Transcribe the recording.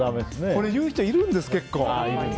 これ言う人いるんです、結構。